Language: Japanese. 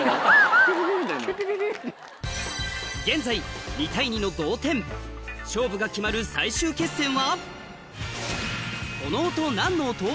現在２対２の同点勝負が決まる最終決戦は？